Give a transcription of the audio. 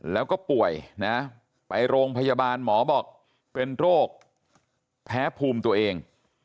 แล้วก็ป่วยนะไปโรงพยาบาลหมอบอกเป็นโรคแพ้ภูมิตัวเอง